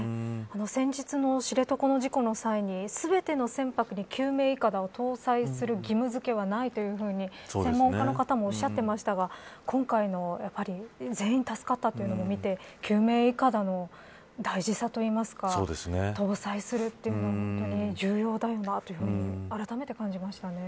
先日も知床の事故の際に全ての船舶に救命いかだを搭載する義務付けはないというふうに専門家の方もおっしゃっていましたが今回の全員助かったのを見て救命いかだの大事さといいますか搭載するというのが本当に重要だなとあらためて感じましたね。